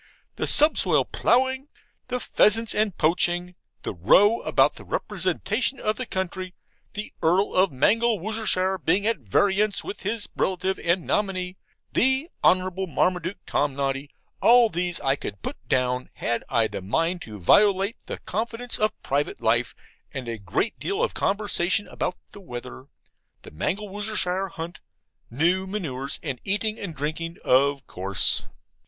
The subsoil ploughing; the pheasants and poaching; the row about the representation of the county; the Earl of Mangelwurzelshire being at variance with his relative and nominee, the Honourable Marmaduke Tomnoddy; all these I could put down, had I a mind to violate the confidence of private life; and a great deal of conversation about the weather, the Mangelwurzelshire Hunt, new manures, and eating and drinking, of course.